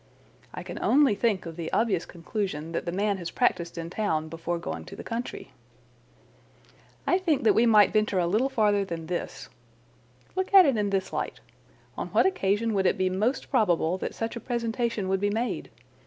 "I can only think of the obvious conclusion that the man has practised in town before going to the country." "I think that we might venture a little farther than this. Look at it in this light. On what occasion would it be most probable that such a presentation would be made?